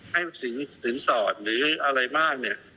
สินสอดหรืออะไรมากเนี่ย